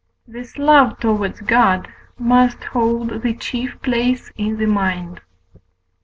This love towards God must hold the chief place in the mind.